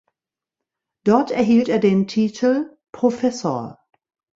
Dort erhielt er den Titel "Professor".